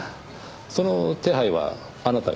その手配はあなたが？